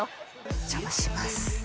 お邪魔します